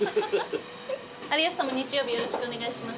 有吉さんも日曜日よろしくお願いします。